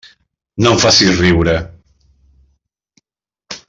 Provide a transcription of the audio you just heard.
No em facis riure.